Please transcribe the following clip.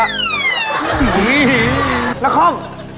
น้าคอม